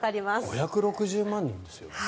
５６０万人ですよ。